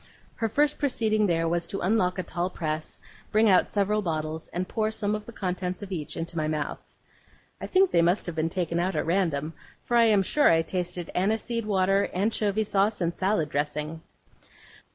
Her first proceeding there was to unlock a tall press, bring out several bottles, and pour some of the contents of each into my mouth. I think they must have been taken out at random, for I am sure I tasted aniseed water, anchovy sauce, and salad dressing.